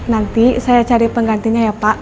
nanti saya cari penggantinya ya pak